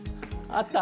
あった！